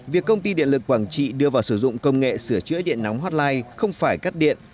việc công ty điện lực quảng trị đưa vào sử dụng công nghệ sửa chữa điện nóng hotline không phải cắt điện